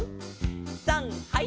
さんはい！